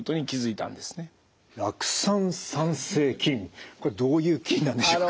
酪酸産生菌これどういう菌なんでしょうか？